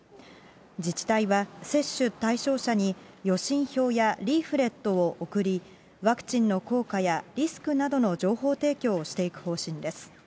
自治体は接種対象者に予診票やリーフレットを送り、ワクチンの効果やリスクなどの情報提供をしていく方針です。